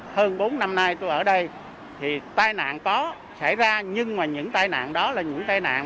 hơn bốn năm nay tôi ở đây thì tai nạn có xảy ra nhưng mà những tai nạn đó là những tai nạn